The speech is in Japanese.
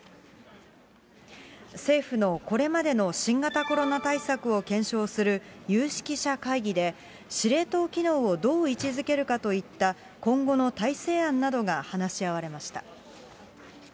政府のこれまでの新型コロナ対策を検証する有識者会議で、司令塔機能をどう位置づけるかといった今後の体制案などが話し合われました。